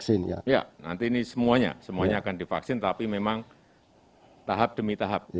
iya nanti ini semuanya semuanya akan divaksin tapi memang tahap demi tahap